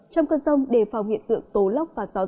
trong cơn rông đề phòng hiện tượng tố lóc và gió